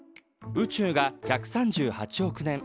宇宙が１３８億年。